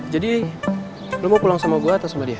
jadi lo mau pulang sama gue atau sama dia